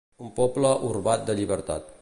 Un poble orbat de llibertat.